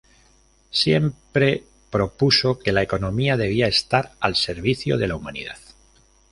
Siempre propuso que la economía debía estar al servicio de la humanidad.